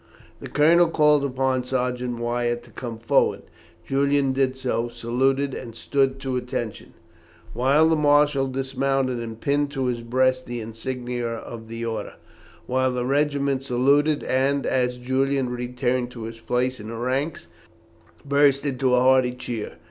The colonel called upon Sergeant Wyatt to come forward. Julian did so, saluted, and stood to attention, while the marshal dismounted and pinned to his breast the insignia of the order, while the regiment saluted, and, as Julian returned to his place in the ranks, burst into a hearty cheer.